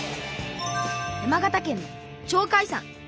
山形県の鳥海山。